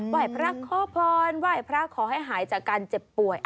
ไหว้พระขอพรไหว้พระขอให้หายจากการเจ็บป่วย